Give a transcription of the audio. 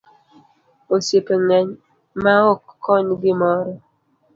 Osiepe ngeny maok kony gimoro.